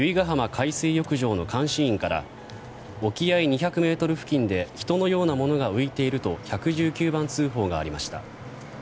海水浴場の監視員から沖合２００ｍ付近で人のようなものが浮いていると１１９番通報がありました。